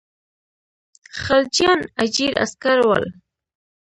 خلجیان اجیر عسکر ول.